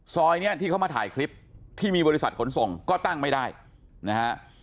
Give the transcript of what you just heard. ซอยนี้ที่เขามาถ่ายคลิปที่มีบริษัทขนส่งก็ตั้งไม่ได้นะฮะ